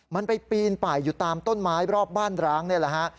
มันไปปีนป่ายอยู่ตามต้นไม้รอบบ้านร้างนี่แหละฮะ